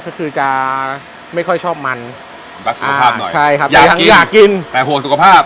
ก็คือจะไม่ค่อยชอบมันรักสุขภาพหน่อยใช่ครับอยากกินอยากกินแต่ห่วงสุขภาพ